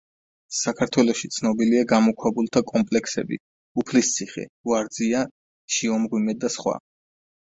საქართველოში ცნობილია გამოქვაბულთა კომპლექსები უფლისციხე, ვარძია, შიომღვიმე და სხვა.